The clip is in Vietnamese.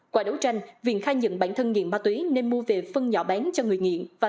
qua đấu tranh viện khai nhận bản thân nghiện ma túy nên mua về phân nhỏ bán cho người nghiện và